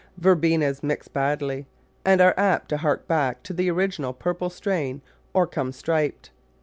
Verbenas mix badly, and are apt to hark back to the original purple strain, or come striped.